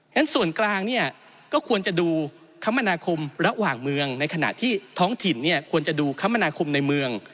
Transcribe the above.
ฉะส่วนกลางเนี่ยก็ควรจะดูคมนาคมระหว่างเมืองในขณะที่ท้องถิ่นเนี่ยควรจะดูคมนาคมในเมือง